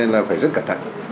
là phải rất cẩn thận